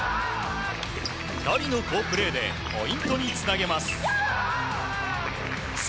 ２人の好プレーでポイントにつなげます。